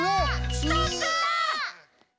ストップ！